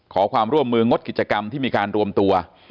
ขอความร่วมมืองดกิจกรรมที่มีการรวมตัว